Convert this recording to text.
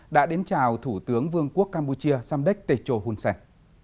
đã đến chào thủ tướng vương quốc campuchia samdech techo hunsen